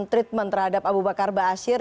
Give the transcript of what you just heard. treatment terhadap abu bakar ba'asyir